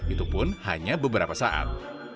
itu pun hanya beberapa saat